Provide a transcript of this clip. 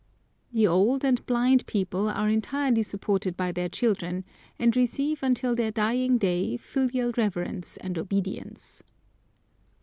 The old and blind people are entirely supported by their children, and receive until their dying day filial reverence and obedience.